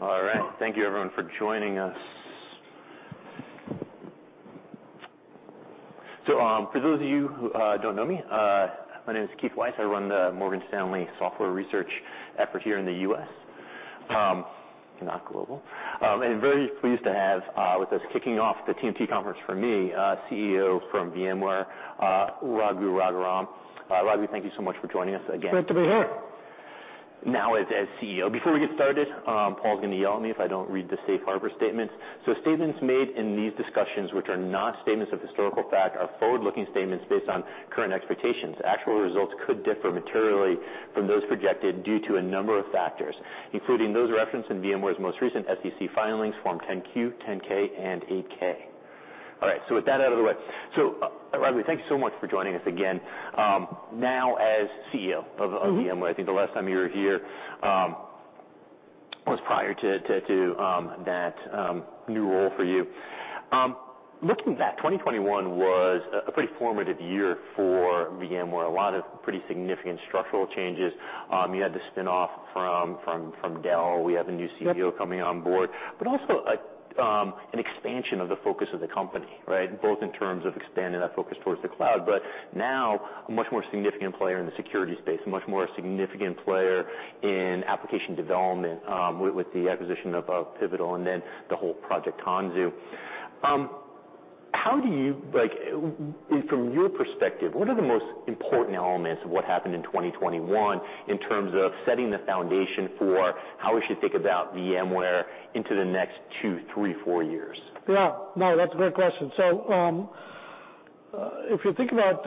All right. Thank you everyone for joining us. For those of you who don't know me, my name is Keith Weiss. I run the Morgan Stanley Software Research effort here in the U.S., not global. I'm very pleased to have with us kicking off the TMT conference for me, CEO from VMware, Raghu Raghuram. Raghu, thank you so much for joining us again. Glad to be here. Now, as CEO. Before we get started, Paul's gonna yell at me if I don't read the safe harbor statement. Statements made in these discussions which are not statements of historical fact are forward-looking statements based on current expectations. Actual results could differ materially from those projected due to a number of factors, including those referenced in VMware's most recent SEC filings, Form 10-Q, 10-K and 8-K. All right, with that out of the way. Raghu, thank you so much for joining us again, now as CEO of VMware. Mm-hmm. I think the last time you were here was prior to that new role for you. Looking back, 2021 was a pretty formative year for VMware. A lot of pretty significant structural changes. You had the spin-off from Dell. We have a new CEO- Yep. coming on board, but also an expansion of the focus of the company, right? Both in terms of expanding that focus towards the cloud, but now a much more significant player in the security space, a much more significant player in application development, with the acquisition of Pivotal and then the whole project Tanzu. How do you like from your perspective, what are the most important elements of what happened in 2021 in terms of setting the foundation for how we should think about VMware into the next 2, 3, 4 years? Yeah. No, that's a great question. If you think about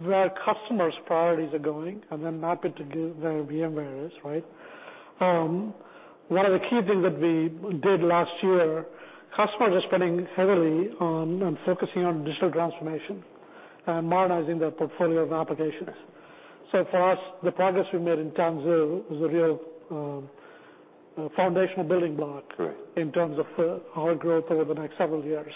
where customers' priorities are going and then map it to where VMware is, right? One of the key things that we did last year, customers are spending heavily on and focusing on digital transformation and modernizing their portfolio of applications. Yes. For us, the progress we made in Tanzu is a real, foundational building block- Right. In terms of our growth over the next several years.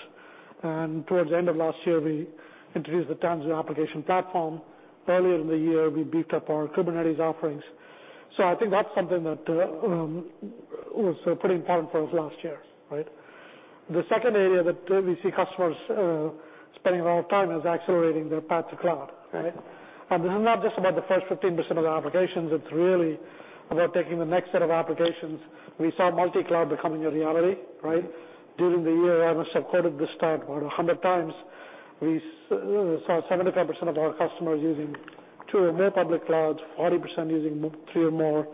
Towards the end of last year, we introduced the Tanzu Application Platform. Earlier in the year, we beefed up our Kubernetes offerings. I think that's something that was pretty important for us last year, right? The second area that we see customers spending a lot of time is accelerating their path to cloud, right? This is not just about the first 15% of their applications, it's really about taking the next set of applications. We saw multi-cloud becoming a reality, right? During the year, I must have quoted this stat about 100 times. We saw 75% of our customers using two or more public clouds, 40% using three or more.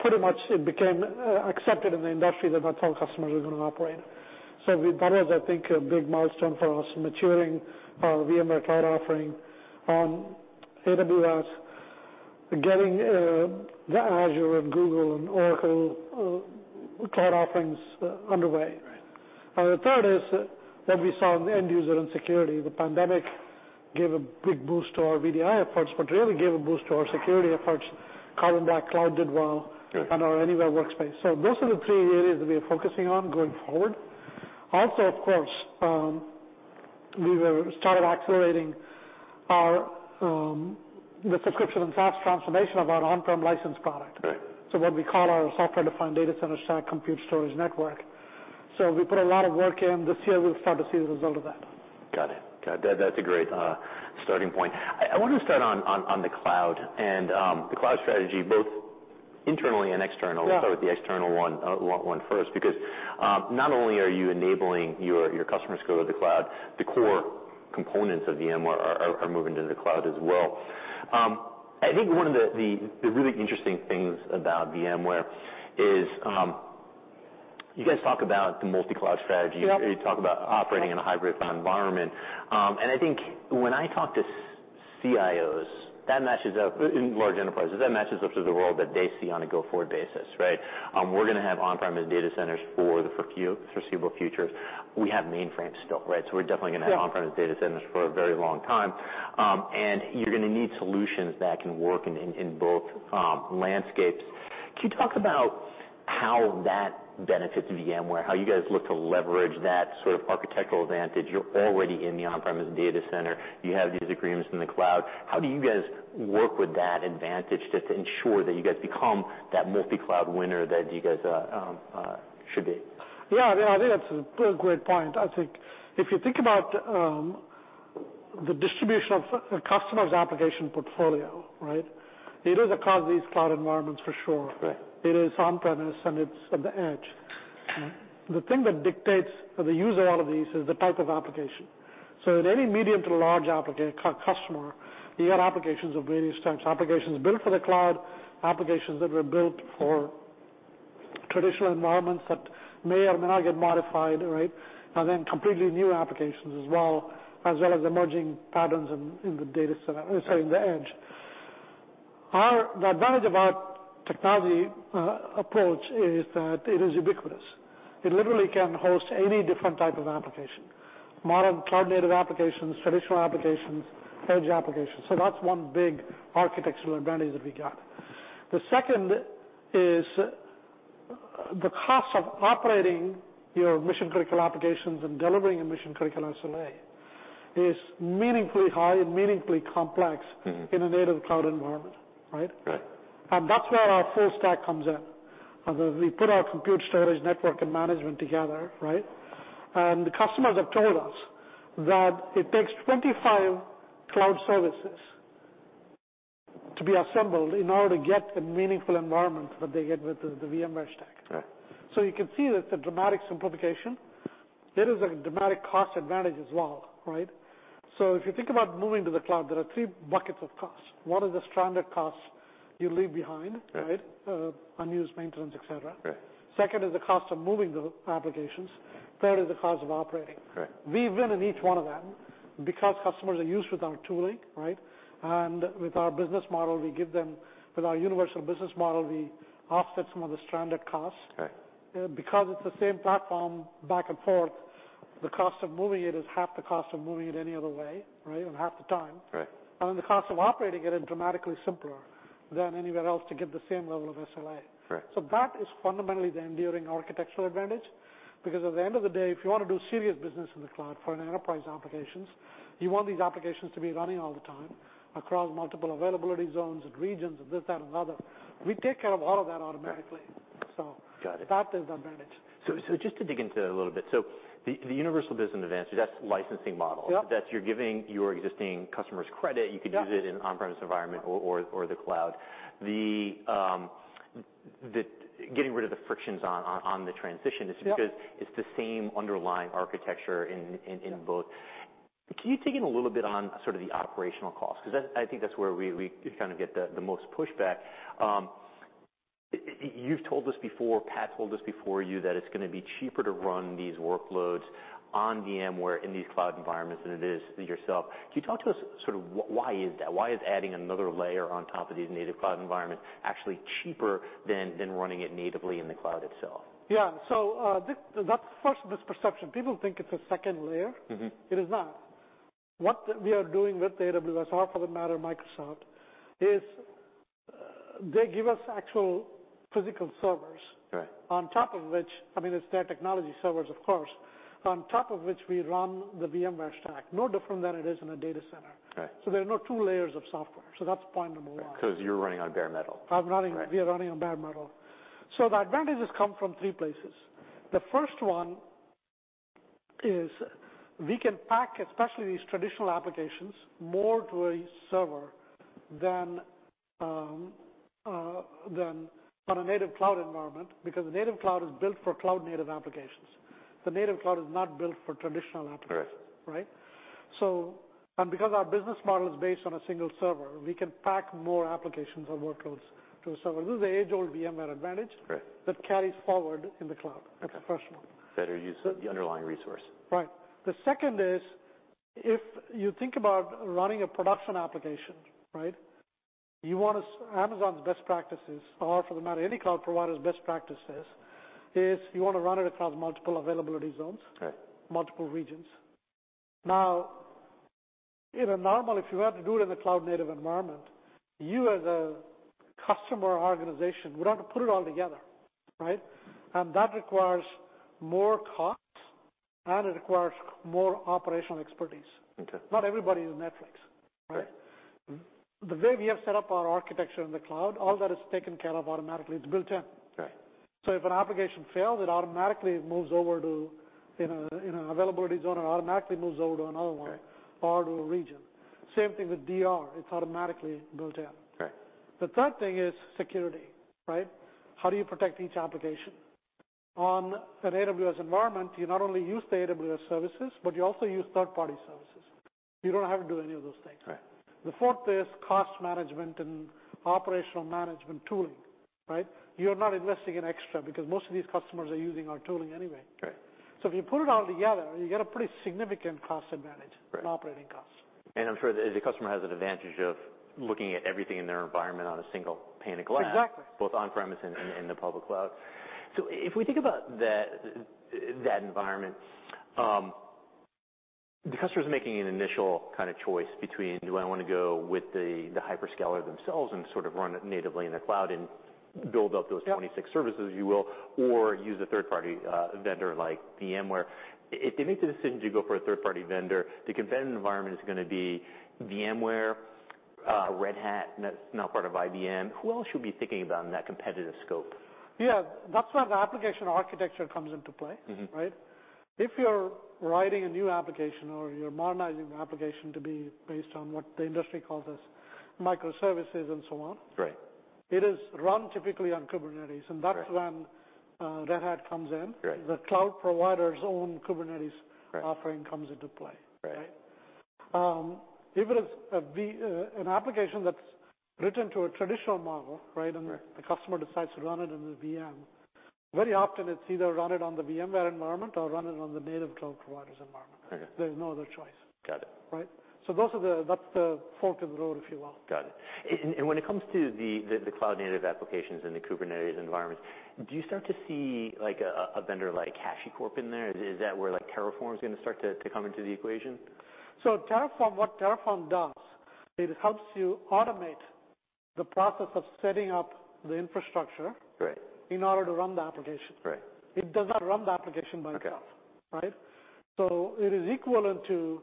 Pretty much it became accepted in the industry that that's how customers are gonna operate. That was, I think, a big milestone for us, maturing our VMware Cloud offering on AWS, getting the Azure and Google and Oracle cloud offerings underway. Right. The third is that we saw on the end user and security, the pandemic gave a big boost to our VDI efforts, but really gave a boost to our security efforts. Carbon Black Cloud did well- Sure. Our Anywhere Workspace. Those are the three areas that we are focusing on going forward. Also, of course, we started accelerating the subscription and SaaS transformation of our on-prem license product. Right. What we call our Software-Defined Data Center stack, compute, storage, network. We put a lot of work in. This year, we'll start to see the result of that. Got it. That's a great starting point. I want to start on the cloud and the cloud strategy, both internally and externally. Sure. I'll start with the external one first, because not only are you enabling your customers to go to the cloud, the core components of VMware are moving to the cloud as well. I think one of the really interesting things about VMware is you guys talk about the multi-cloud strategy. Yep. You talk about operating in a hybrid environment. I think when I talk to CIOs, that matches up, in large enterprises, that matches up to the world that they see on a go-forward basis, right? We're gonna have on-premises data centers for the foreseeable future. We have mainframes still, right? We're definitely gonna have. Yeah. -on-premise data centers for a very long time. You're gonna need solutions that can work in both landscapes. Can you talk about how that benefits VMware? How you guys look to leverage that sort of architectural advantage? You're already in the on-premise data center. You have these agreements in the cloud. How do you guys work with that advantage to ensure that you guys become that multi-cloud winner that you guys should be? Yeah, I think that's a great point. I think if you think about the distribution of a customer's application portfolio, right? It is across these cloud environments for sure. Right. It is on premise, and it's at the edge. The thing that dictates the use out of these is the type of application. At any medium to large customer, you have applications of various types. Applications built for the cloud, applications that were built for traditional environments that may or may not get modified, right? Then completely new applications as well as emerging patterns in the edge. The advantage of our technology approach is that it is ubiquitous. It literally can host any different type of application. Modern cloud-native applications, traditional applications, edge applications. That's one big architectural advantage that we got. The second is the cost of operating your mission-critical applications and delivering a mission-critical SLA is meaningfully high and meaningfully complex. Mm-hmm. in a native cloud environment, right? Right. That's where our full stack comes in. Then we put our compute storage network and management together, right? The customers have told us that it takes 25 cloud services to be assembled in order to get the meaningful environment that they get with the VMware stack. Right. You can see that it's a dramatic simplification. There is a dramatic cost advantage as well, right? If you think about moving to the cloud, there are three buckets of costs. One is the stranded costs you leave behind, right? Right. Unused maintenance, et cetera. Right. Second is the cost of moving the applications. Third is the cost of operating. Right. We win in each one of them because customers are used with our tooling, right? With our universal business model, we offset some of the stranded costs. Right. Because it's the same platform back and forth, the cost of moving it is half the cost of moving it any other way, right? Or half the time. Right. The cost of operating it is dramatically simpler than anywhere else to get the same level of SLA. Right. That is fundamentally the enduring architectural advantage, because at the end of the day, if you want to do serious business in the cloud for an enterprise applications, you want these applications to be running all the time across multiple availability zones and regions and this, that, and the other. We take care of all of that automatically. Got it. That is the advantage. Just to dig into that a little bit. The universal business advantage, that's licensing model. Yep. That's where you're giving your existing customers credit. Yep. You could use it in on-premise environment or the cloud. The getting rid of the frictions on the transition. Yep. This is because it's the same underlying architecture in both. Can you dig in a little bit on sort of the operational costs? 'Cause that, I think that's where we kind of get the most pushback. You've told us before, Pat told us before you, that it's gonna be cheaper to run these workloads on VMware in these cloud environments than it is yourself. Can you talk to us sort of why is that? Why is adding another layer on top of these native cloud environments actually cheaper than running it natively in the cloud itself? That's the first misperception. People think it's a second layer. Mm-hmm. It is not. What we are doing with AWS, or for that matter, Microsoft, is, they give us actual physical servers. Right. On top of which, I mean, it's their technology servers, of course. On top of which we run the VMware stack. No different than it is in a data center. Right. There are no two layers of software. That's point number one. 'Cause you're running on bare metal. I'm running- Right. We are running on bare metal. The advantages come from three places. The first one is we can pack, especially these traditional applications, more to a server than on a native cloud environment, because a native cloud is built for cloud-native applications. The native cloud is not built for traditional applications. Right. Right? Because our business model is based on a single server, we can pack more applications and workloads to a server. This is the age-old VMware advantage. Right. that carries forward in the cloud. Okay. That's the first one. Better use of the underlying resource. Right. The second is, if you think about running a production application, right? You want Amazon's best practices, or for that matter, any cloud provider's best practices, is you wanna run it across multiple availability zones. Okay. Multiple regions. Now, in a normal, if you had to do it in a cloud-native environment, you as a customer organization would have to put it all together, right? That requires more cost, and it requires more operational expertise. Okay. Not everybody is Netflix, right? Right. The way we have set up our architecture in the cloud, all that is taken care of automatically. It's built in. Okay. If an application fails, it automatically moves over to in an availability zone, or automatically moves over to another one. Okay. To a region. Same thing with DR. It's automatically built in. Okay. The third thing is security, right? How do you protect each application? On an AWS environment, you not only use the AWS services, but you also use third-party services. You don't have to do any of those things. Right. The fourth is cost management and operational management tooling, right? You're not investing in extra because most of these customers are using our tooling anyway. Right. If you put it all together, you get a pretty significant cost advantage. Right. in operating costs. I'm sure the customer has an advantage of looking at everything in their environment on a single pane of glass. Exactly. Both on-premise and in the public cloud. If we think about that environment, the customer's making an initial kinda choice between do I wanna go with the hyperscaler themselves and sort of run it natively in the cloud and build out those- Yeah. 26 services, if you will, or use a third party vendor like VMware. If they make the decision to go for a third-party vendor, the competitive environment is gonna be VMware, Red Hat, and that's now part of IBM. Who else should be thinking about in that competitive scope? Yeah. That's where the application architecture comes into play. Mm-hmm. Right? If you're writing a new application or you're modernizing the application to be based on what the industry calls as microservices and so on. Right. It is run typically on Kubernetes. Right. That's when Red Hat comes in. Right. The cloud provider's own Kubernetes. Right. offering comes into play. Right. If it is an application that's written to a traditional model, right? Right. The customer decides to run it in the VM, very often it's either run it on the VMware environment or run it on the native cloud provider's environment. Okay. There's no other choice. Got it. Right? That's the fork in the road, if you will. Got it. When it comes to the cloud-native applications and the Kubernetes environments, do you start to see like a vendor like HashiCorp in there? Is that where like Terraform is gonna start to come into the equation? Terraform, what Terraform does. It helps you automate the process of setting up the infrastructure. Right. in order to run the application. Right. It does not run the application by itself. Okay. Right? It is equivalent to,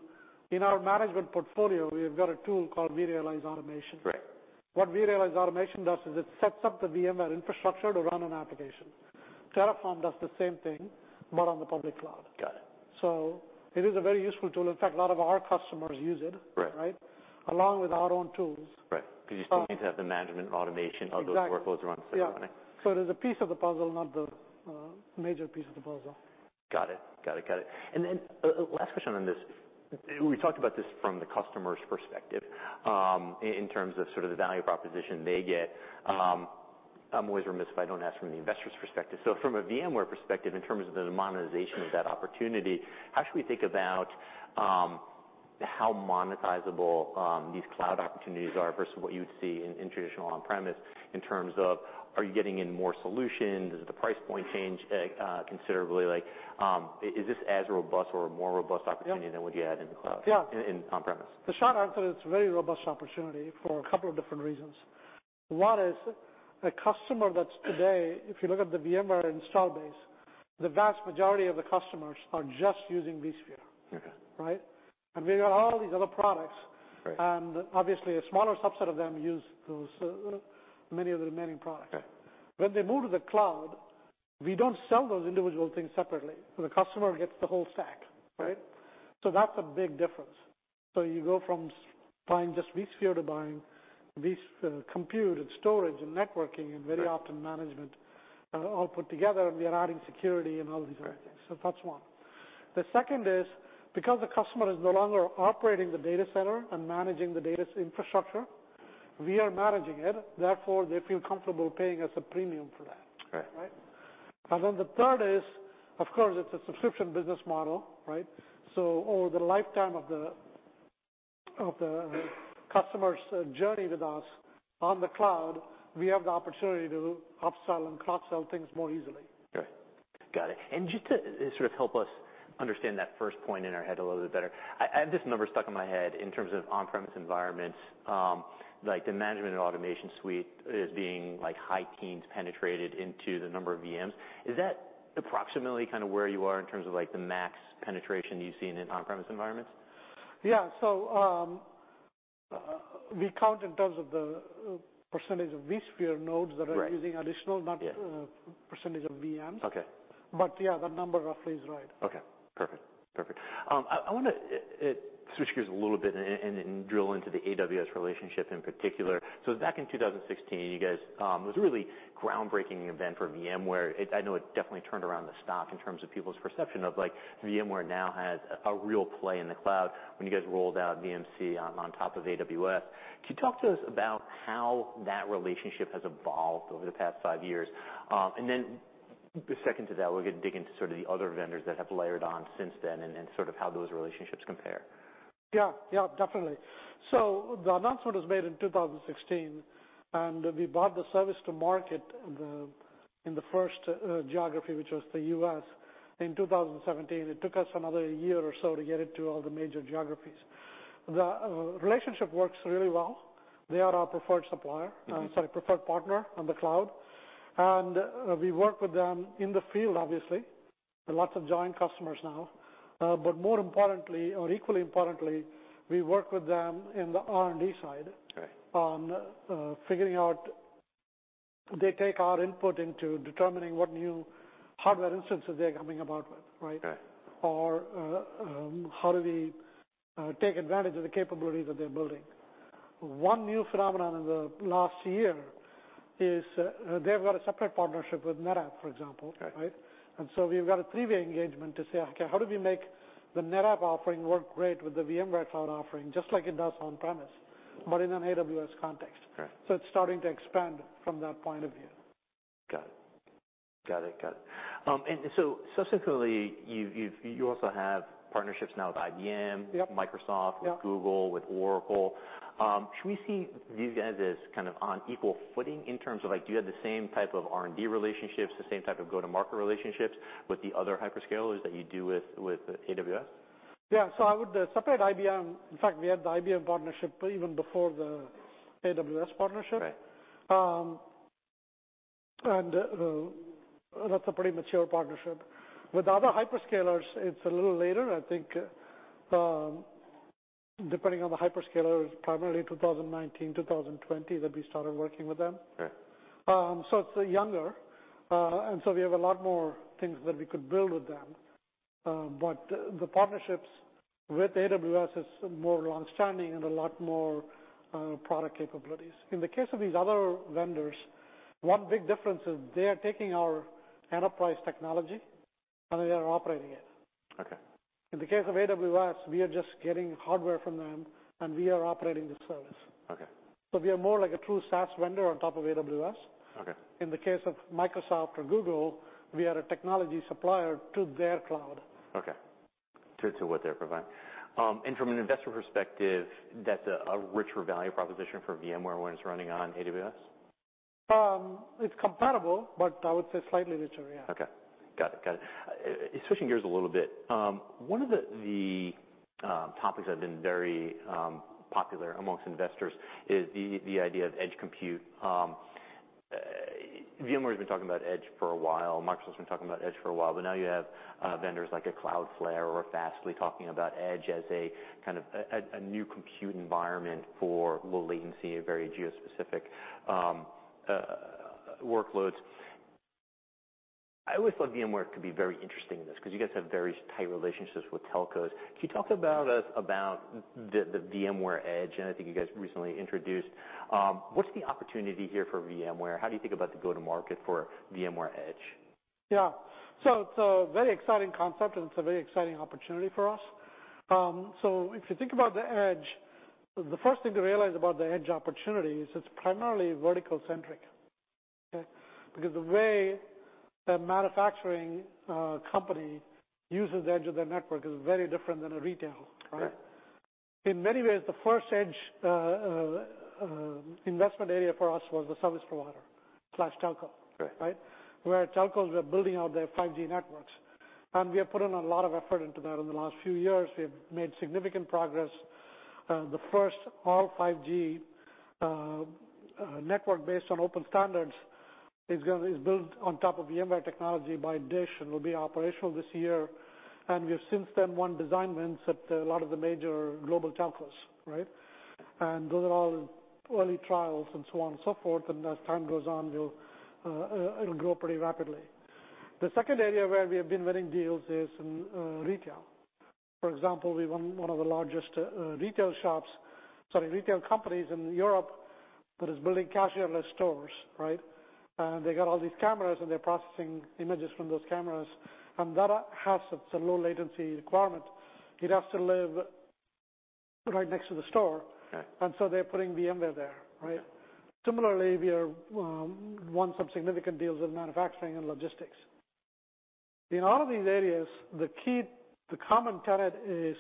in our management portfolio, we have got a tool called vRealize Automation. Right. What vRealize Automation does is it sets up the VMware infrastructure to run an application. Terraform does the same thing, but on the public cloud. Got it. It is a very useful tool. In fact, a lot of our customers use it. Right. Right? Along with our own tools. Right. Because you still need to have the management and automation. Exactly. of those workloads running. Yeah. It is a piece of the puzzle, not the major piece of the puzzle. Got it. Then, last question on this. We talked about this from the customer's perspective, in terms of sort of the value proposition they get. I'm always remiss if I don't ask from the investor's perspective. From a VMware perspective, in terms of the monetization of that opportunity, how should we think about, how monetizable, these cloud opportunities are versus what you would see in traditional on-premise in terms of are you getting in more solutions? Does the price point change, considerably? Like, is this as robust or a more robust opportunity? Yeah. than what you had in the cloud Yeah. in on-premise? The short answer is it's a very robust opportunity for a couple of different reasons. One is a customer that's today, if you look at the VMware install base, the vast majority of the customers are just using vSphere. Okay. Right? We've got all these other products. Right. Obviously, a smaller subset of them use those, many of the remaining products. Okay. When they move to the cloud, we don't sell those individual things separately. The customer gets the whole stack, right? That's a big difference. You go from buying just vSphere to buying compute and storage and networking- Right. Very often management all put together, and we are adding security and all these other things. Right. That's one. The second is because the customer is no longer operating the data center and managing the data's infrastructure, we are managing it, therefore, they feel comfortable paying us a premium for that. Right. Right? The third is, of course, it's a subscription business model, right? Over the lifetime of the customer's journey with us on the cloud, we have the opportunity to upsell and cross-sell things more easily. Right. Got it. Just to sort of help us understand that first point in our head a little bit better, I have this number stuck in my head in terms of on-premise environments, like the management and automation suite is being like high teens penetrated into the number of VMs. Is that approximately kind of where you are in terms of like the max penetration you've seen in on-premise environments? We count in terms of the percentage of vSphere nodes that are- Right. -using additional, not- Yeah. percentage of VMs. Okay. Yeah, the number roughly is right. Okay. Perfect. I wanna switch gears a little bit and drill into the AWS relationship in particular. Back in 2016, you guys, it was a really groundbreaking event for VMware. I know it definitely turned around the stock in terms of people's perception of like, VMware now has a real play in the cloud when you guys rolled out VMC on top of AWS. Can you talk to us about how that relationship has evolved over the past five years? And then the second to that, we'll dig into sort of the other vendors that have layered on since then and sort of how those relationships compare. Yeah. Yeah, definitely. The announcement was made in 2016, and we brought the service to market in the first geography, which was the U.S., in 2017. It took us another year or so to get it to all the major geographies. The relationship works really well. They are our preferred supplier. Mm-hmm. I'm sorry, preferred partner on the cloud. We work with them in the field, obviously. There are lots of joint customers now. More importantly or equally importantly, we work with them in the R&D side. Okay. on figuring out. They take our input into determining what new hardware instances they're coming out with, right? Right. How do we take advantage of the capabilities that they're building. One new phenomenon in the last year is they've got a separate partnership with NetApp, for example. Okay. Right? We've got a three-way engagement to say, "Okay, how do we make the NetApp offering work great with the VMware Cloud offering, just like it does on-premises, but in an AWS context? Right. It's starting to expand from that point of view. Got it. Subsequently, you also have partnerships now with IBM. Yep. Microsoft. Yep. With Google, with Oracle. Should we see these guys as kind of on equal footing in terms of like, do you have the same type of R&D relationships, the same type of go-to-market relationships with the other hyperscalers that you do with AWS? Yeah. I would separate IBM. In fact, we had the IBM partnership even before the AWS partnership. Right. That's a pretty mature partnership. With the other hyperscalers, it's a little later. I think, depending on the hyperscalers, primarily 2019, 2020 that we started working with them. Okay. It's younger. We have a lot more things that we could build with them. The partnerships with AWS is more long-standing and a lot more product capabilities. In the case of these other vendors, one big difference is they are taking our enterprise technology, and they are operating it. Okay. In the case of AWS, we are just getting hardware from them, and we are operating the service. Okay. We are more like a true SaaS vendor on top of AWS. Okay. In the case of Microsoft or Google, we are a technology supplier to their cloud. To what they're providing. From an investor perspective, that's a richer value proposition for VMware when it's running on AWS? It's comparable, but I would say slightly richer, yeah. Okay. Got it. Switching gears a little bit. One of the topics that have been very popular among investors is the idea of edge compute. VMware has been talking about edge for a while. Microsoft's been talking about edge for a while. But now you have vendors like Cloudflare or Fastly talking about edge as a kind of a new compute environment for low latency, very geo-specific workloads. I always thought VMware could be very interesting in this because you guys have very tight relationships with telcos. Can you talk about the VMware edge, and I think you guys recently introduced. What's the opportunity here for VMware? How do you think about the go-to-market for VMware edge? Yeah. It's a very exciting concept, and it's a very exciting opportunity for us. If you think about the edge, the first thing to realize about the edge opportunity is it's primarily vertical centric. Okay? Because the way a manufacturing company uses the edge of their network is very different than a retail, right? Yeah. In many ways, the first edge investment area for us was the service provider/telco. Right. Right? Where telcos were building out their 5G networks. We have put in a lot of effort into that in the last few years. We've made significant progress. The first all 5G network based on open standards is built on top of VMware technology by DISH and will be operational this year. We have since then won design wins at a lot of the major global telcos, right? Those are all early trials and so on and so forth. As time goes on, it'll grow pretty rapidly. The second area where we have been winning deals is in retail. For example, we won one of the largest retail shops, sorry, retail companies in Europe that is building cashierless stores, right? They got all these cameras, and they're processing images from those cameras. That has some low latency requirements. It has to live right next to the store. Okay. They're putting VMware there, right? Similarly, we've won some significant deals with manufacturing and logistics. In all of these areas, the common tenet is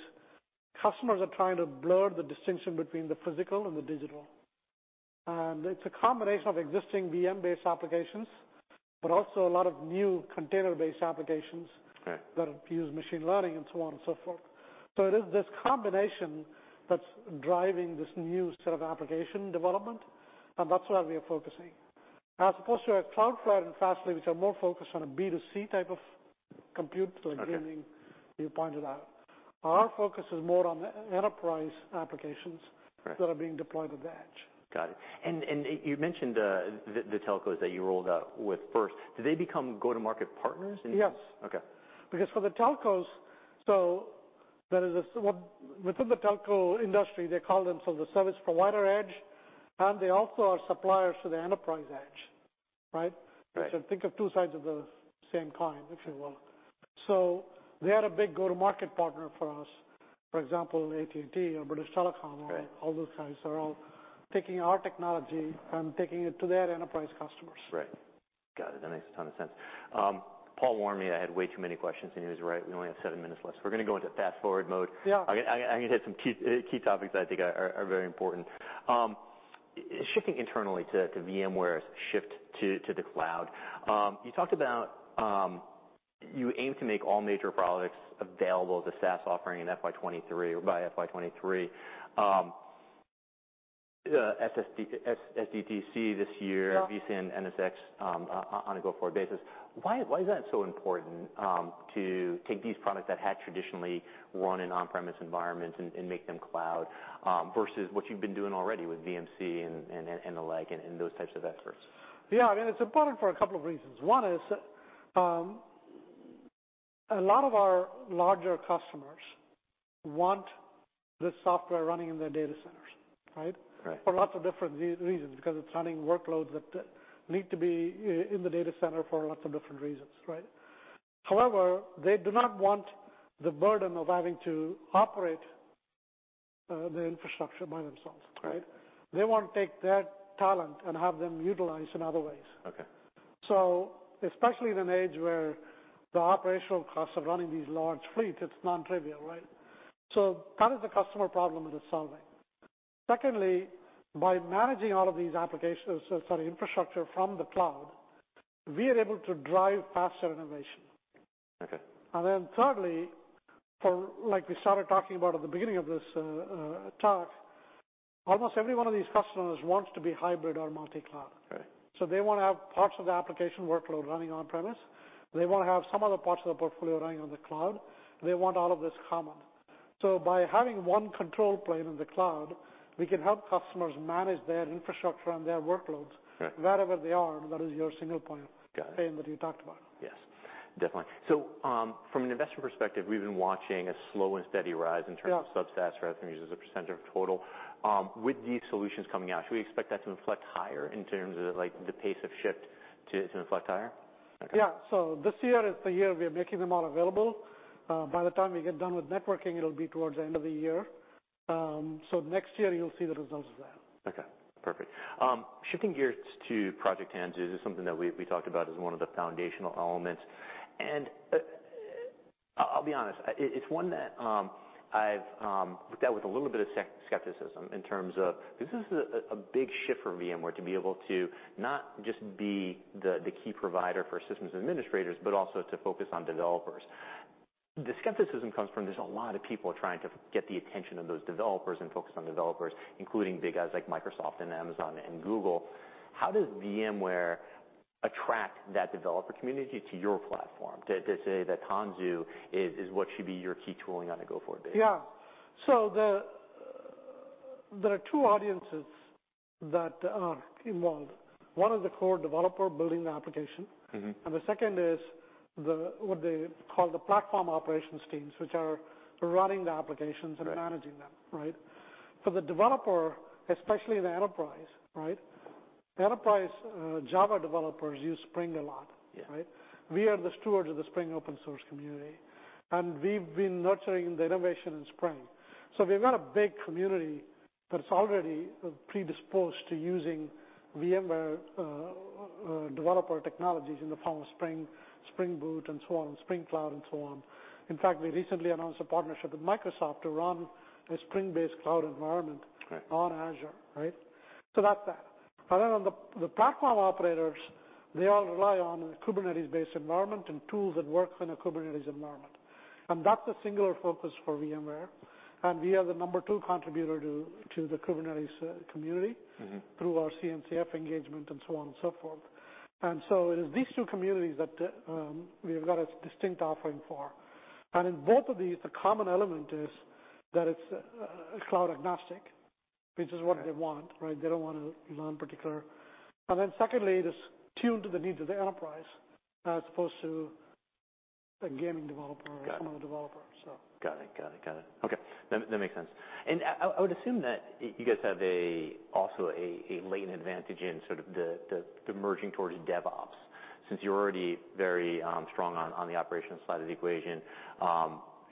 customers are trying to blur the distinction between the physical and the digital. It's a combination of existing VM-based applications, but also a lot of new container-based applications. Okay. that use machine learning and so on and so forth. It is this combination that's driving this new set of application development, and that's where we are focusing. As opposed to a Cloudflare and Fastly, which are more focused on a B2C type of compute. Okay. like gaming, you pointed out. Our focus is more on the enterprise applications. Right. that are being deployed at the edge. Got it. You mentioned the telcos that you rolled out with first. Do they become go-to-market partners in this? Yes. Okay. Because for the telcos, there is within the telco industry, they call themselves the service provider edge, and they also are suppliers to the enterprise edge, right? Right. Think of two sides of the same coin, if you will. They are a big go-to-market partner for us. For example, AT&T or British Telecom. Right. All those guys are all taking our technology and taking it to their enterprise customers. Right. Got it. That makes a ton of sense. Paul warned me I had way too many questions, and he was right. We only have seven minutes left, so we're gonna go into fast-forward mode. Yeah. I'm gonna hit some key topics that I think are very important. Shifting internally to VMware's shift to the cloud. You talked about you aim to make all major products available as a SaaS offering in FY 2023 or by FY 2023. SDDC this year. Yeah. vSAN and NSX on a go-forward basis. Why is that so important to take these products that had traditionally run in on-premise environments and make them cloud versus what you've been doing already with VMC and the like and those types of efforts? Yeah. I mean, it's important for a couple of reasons. One is, a lot of our larger customers want this software running in their data centers, right? Right. For lots of different reasons, because it's running workloads that need to be in the data center for lots of different reasons, right? However, they do not want the burden of having to operate the infrastructure by themselves, right? They want to take their talent and have them utilized in other ways. Okay. Especially in an age where the operational costs of running these large fleets, it's non-trivial, right? That is the customer problem it is solving. Secondly, by managing all of these applications, sorry, infrastructure from the cloud, we are able to drive faster innovation. Okay. Thirdly, for like we started talking about at the beginning of this talk, almost every one of these customers wants to be hybrid or multi-cloud. Right. They wanna have parts of the application workload running on premise. They wanna have some other parts of the portfolio running on the cloud. They want all of this common. By having one control plane in the cloud, we can help customers manage their infrastructure and their workloads. Right. wherever they are, and that is your single point. Got it. the theme that you talked about. Yes, definitely. From an investor perspective, we've been watching a slow and steady rise in terms of- Yeah. subscription SaaS revenues as a percentage of total. With these solutions coming out, should we expect that to inflect higher in terms of, like, the pace of shift to inflect higher? Okay. Yeah. This year is the year we are making them all available. By the time we get done with networking, it'll be towards the end of the year. Next year, you'll see the results of that. Okay, perfect. Shifting gears to Project Tanzu. This is something that we talked about as one of the foundational elements. I'll be honest, it's one that I've looked at with a little bit of skepticism in terms of this is a big shift for VMware to be able to not just be the key provider for systems administrators, but also to focus on developers. The skepticism comes from there's a lot of people trying to get the attention of those developers and focus on developers, including big guys like Microsoft and Amazon and Google. How does VMware attract that developer community to your platform, to say that Tanzu is what should be your key tooling on a go forward basis? Yeah. The, there are two audiences that are involved. One is the core developer building the application. Mm-hmm. The second is what they call the platform operations teams, which are running the applications. Right. managing them, right? For the developer, especially the enterprise, right? The enterprise, Java developers use Spring a lot. Yeah. Right? We are the stewards of the Spring open source community, and we've been nurturing the innovation in Spring. We've got a big community that's already predisposed to using VMware developer technologies in the form of Spring Boot and so on, Spring Cloud and so on. In fact, we recently announced a partnership with Microsoft to run a Spring-based cloud environment. Right. on Azure, right? That's that. On the platform operators, they all rely on a Kubernetes-based environment and tools that work in a Kubernetes environment. That's a singular focus for VMware. We are the number 2 contributor to the Kubernetes community- Mm-hmm. Through our CNCF engagement and so on and so forth. It is these two communities that we have got a distinct offering for. In both of these, the common element is that it's cloud agnostic, which is what they want, right? They don't want to learn particular. Secondly, it is tuned to the needs of the enterprise as opposed to a gaming developer. Got it. some other developer. Got it. Okay. That makes sense. I would assume that you guys have also a latent advantage in sort of the merging towards DevOps, since you're already very strong on the operations side of the equation.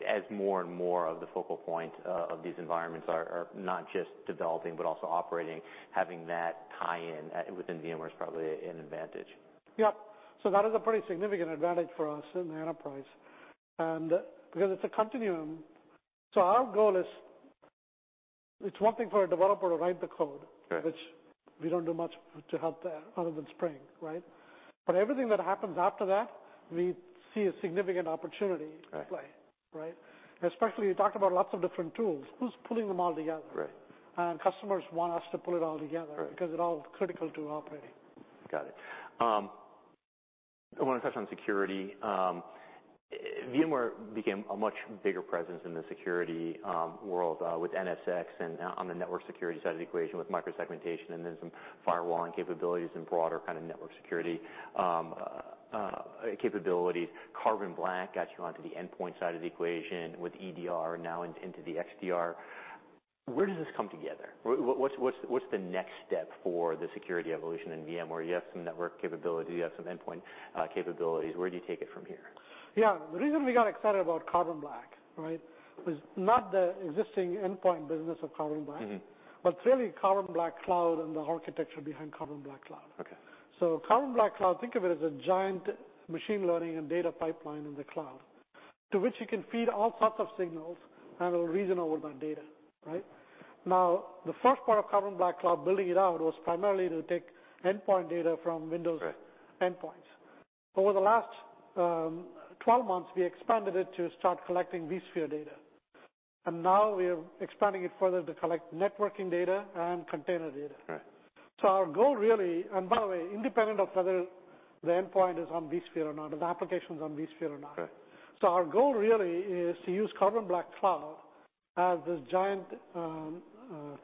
As more and more of the focal point of these environments are not just developing but also operating, having that tie-in within VMware is probably an advantage. Yeah. That is a pretty significant advantage for us in the enterprise, and because it's a continuum. Our goal is it's one thing for a developer to write the code- Right. which we don't do much to help there other than Spring, right? Everything that happens after that, we see a significant opportunity to play. Right. Right? Especially you talked about lots of different tools. Who's pulling them all together? Right. Customers want us to pull it all together. Right. Because it all is critical to operating. Got it. I want to touch on security. VMware became a much bigger presence in the security world with NSX and on the network security side of the equation with micro-segmentation and then some firewalling capabilities and broader kind of network security capabilities. Carbon Black got you onto the endpoint side of the equation with EDR now into the XDR. Where does this come together? What's the next step for the security evolution in VMware? You have some network capability, you have some endpoint capabilities. Where do you take it from here? Yeah. The reason we got excited about Carbon Black, right, was not the existing endpoint business of Carbon Black. Mm-hmm. Really Carbon Black Cloud and the architecture behind Carbon Black Cloud. Okay. Carbon Black Cloud, think of it as a giant machine learning and data pipeline in the cloud, to which you can feed all sorts of signals and it'll reason over that data, right? Now, the first part of Carbon Black Cloud, building it out, was primarily to take endpoint data from Windows. Right. Endpoints. Over the last 12 months, we expanded it to start collecting vSphere data, and now we are expanding it further to collect networking data and container data. Right. Our goal really. By the way, independent of whether the endpoint is on vSphere or not, if the application's on vSphere or not. Right. Our goal really is to use Carbon Black Cloud as this giant,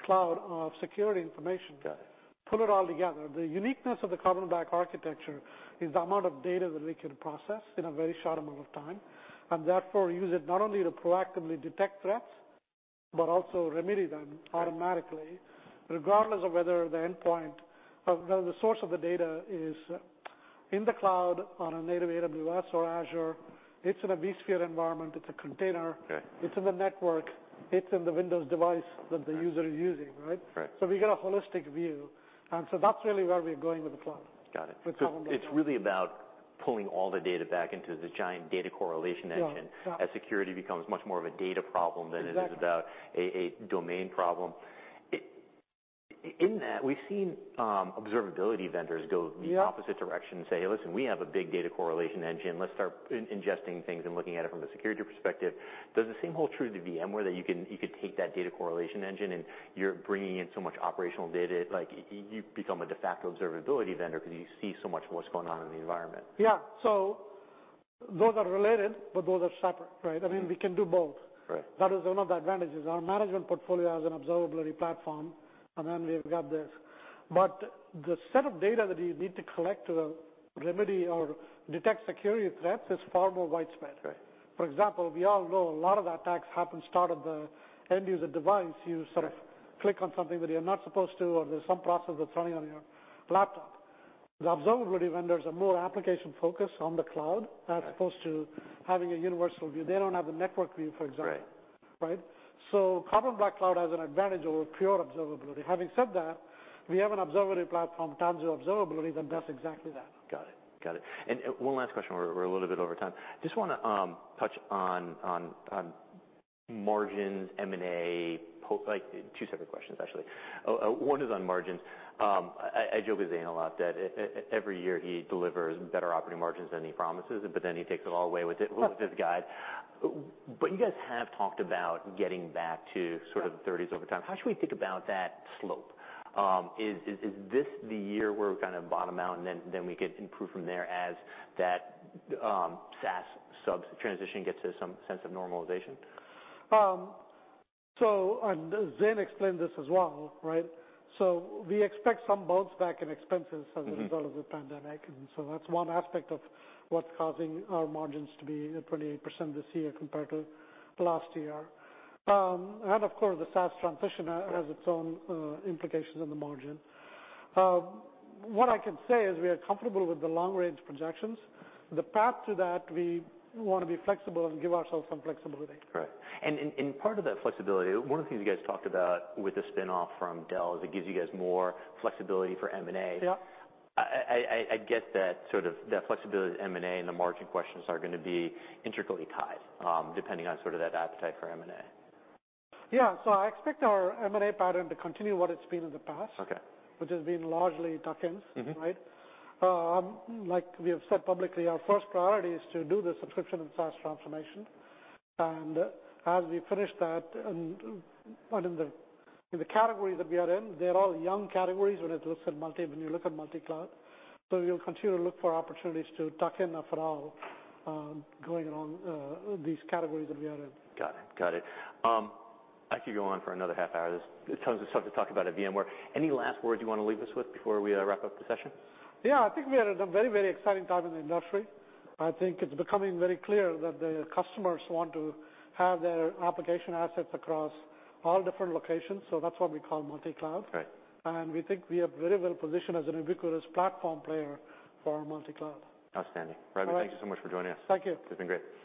cloud of security information guide. Got it. Pull it all together. The uniqueness of the Carbon Black architecture is the amount of data that we can process in a very short amount of time, and therefore use it not only to proactively detect threats, but also remedy them automatically, regardless of whether the source of the data is in the cloud on a native AWS or Azure, it's in a vSphere environment, it's a container- Right. It's in the network, it's in the Windows device that the user is using, right? Right. We get a holistic view, and so that's really where we're going with the cloud. Got it. With Carbon Black Cloud. It's really about pulling all the data back into this giant data correlation engine. Yeah. Yeah. As security becomes much more of a data problem than it is about. Exactly. It's a domain problem. In that, we've seen observability vendors go Yeah. in the opposite direction and say, "Hey, listen, we have a big data correlation engine. Let's start ingesting things and looking at it from a security perspective." Does the same hold true to VMware, that you could take that data correlation engine and you're bringing in so much operational data, like you become a de facto observability vendor because you see so much of what's going on in the environment? Yeah. Those are related, but those are separate, right? I mean, we can do both. Right. That is one of the advantages. Our management portfolio has an observability platform, and then we've got this. But the set of data that you need to collect to remedy or detect security threats is far more widespread. Right. For example, we all know a lot of attacks happen to start at the end user device. Right. click on something that you're not supposed to, or there's some process that's running on your laptop. The observability vendors are more application-focused on the cloud. Right. As opposed to having a universal view. They don't have the network view, for example. Right. Right? Carbon Black Cloud has an advantage over pure observability. Having said that, we have an observability platform, Tanzu Observability, that does exactly that. Got it. One last question. We're a little bit over time. Just wanna touch on margins, M&A, like two separate questions, actually. One is on margins. I joke with Zane a lot that every year he delivers better operating margins than he promises, but then he takes it all away with his guide. You guys have talked about getting back to sort of thirties over time. How should we think about that slope? Is this the year where we're gonna bottom out and then we could improve from there as that SaaS subs transition gets to some sense of normalization? Zane explained this as well, right? We expect some bounce back in expenses- Mm-hmm. As a result of the pandemic, that's one aspect of what's causing our margins to be at 28% this year compared to last year. Of course, the SaaS transition has its own implications on the margin. What I can say is we are comfortable with the long-range projections. The path to that, we wanna be flexible and give ourselves some flexibility. Right. Part of that flexibility, one of the things you guys talked about with the spin-off from Dell is it gives you guys more flexibility for M&A. Yeah. I get that sort of flexibility of M&A and the margin questions are gonna be integrally tied, depending on sort of that appetite for M&A. Yeah. I expect our M&A pattern to continue what it's been in the past. Okay. Which has been largely tuck-ins. Mm-hmm. Right? Like we have said publicly, our first priority is to do the subscription and SaaS transformation. As we finish that, and in the categories that we are in, they're all young categories when you look at multi-cloud. We'll continue to look for opportunities to tuck in after all, going along these categories that we are in. Got it. I could go on for another half hour. There's tons of stuff to talk about at VMware. Any last words you wanna leave us with before we wrap up the session? Yeah. I think we are at a very, very exciting time in the industry. I think it's becoming very clear that the customers want to have their application assets across all different locations, so that's what we call multi-cloud. Right. We think we are very well positioned as an ubiquitous platform player for multi-cloud. Outstanding. All right. Raghu, thank you so much for joining us. Thank you. It's been great.